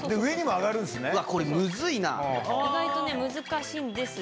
意外とね難しいんですよ。